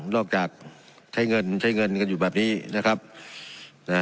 นอกจากใช้เงินใช้เงินกันอยู่แบบนี้นะครับนะ